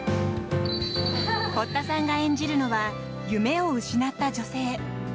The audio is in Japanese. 堀田さんが演じるのは夢を失った女性。